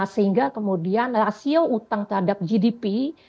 sehingga kemudian rasio utang terhadap gdp